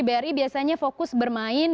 bri biasanya fokus bermain